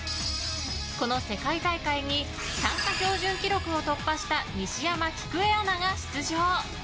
この世界大会に参加標準記録を突破した西山喜久恵アナが出場。